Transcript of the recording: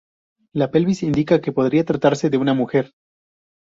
La pelvis indica que podría tratarse de una mujer.